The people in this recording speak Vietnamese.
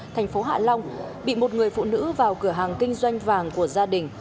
thành phố hạ long bị một người phụ nữ vào cửa hàng kinh doanh vàng của gia đình